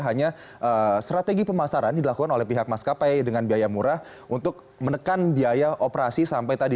hanya strategi pemasaran dilakukan oleh pihak maskapai dengan biaya murah untuk menekan biaya operasi sampai tadi